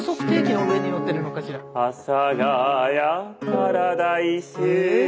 「阿佐ヶ谷パラダイス」